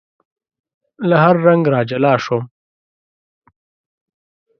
له هر رنګ را جلا شوم